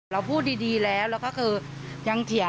เราพูดดีแล้วแล้วก็คือยังเถียง